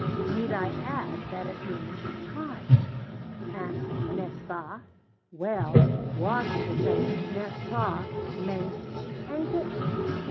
Need I add that it means 'why'? And N'est ce pas well, Watts would say N'est ce pas meant 'ain't it'?